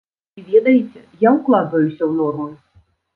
І ведаеце, я ўкладваюся ў нормы.